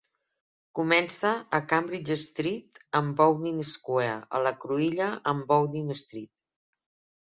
Comença a Cambridge Street amb Bowdoin Square, a la cruïlla amb Bowdoin Street.